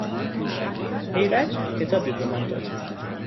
ایرج کتابی به من داد.